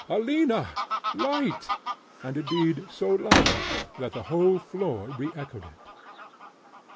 Alina! light!" and, indeed, so loudly, that the whole floor re echoed it.